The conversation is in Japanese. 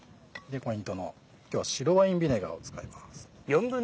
ポイントの今日は白ワインビネガーを使います。